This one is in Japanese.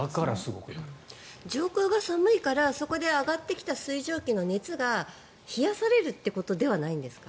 上空が寒いからそこで上がってきた水蒸気の熱が冷やされるということではないんですか。